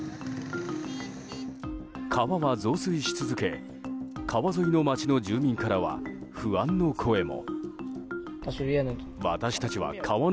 川は増水し続け、川沿いの街の住民からは不安な声も。